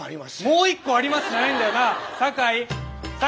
「もう一個あります」じゃないんだよ。